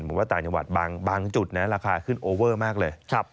ผมว่าต่างจังหวัดบางจุดนะราคาขึ้นโอเวอร์มากเลย